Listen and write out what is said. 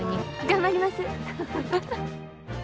頑張ります。